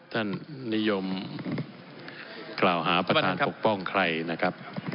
ท่านนิยมกล่าวหาประธานปกป้องใครนะครับ